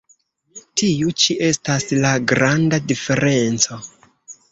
Tiu ĉi estas la granda diferenco.